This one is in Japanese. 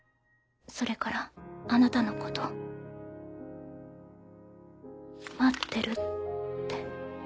それからあなたのこと待ってるって」。